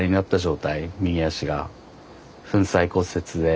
右足が粉砕骨折で。